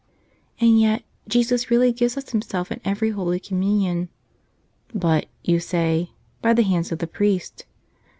And yet, Jesus really gives us Himself in every Holy Communion. "But," you say, "by the hands of the priest."